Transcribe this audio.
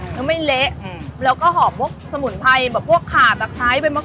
เติมพริกเติม